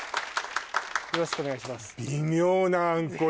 よろしくお願いします